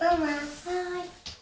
はい。